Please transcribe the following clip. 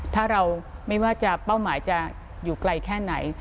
ถ้าเราไม่ว่าจะเป้าหมายจะอยู่ไกลแค่ไหน